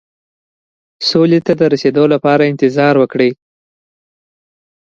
سولې ته د رسېدو لپاره انتظار وکړو.